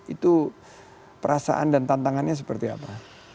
itu perasaan dan tantangannya seperti apa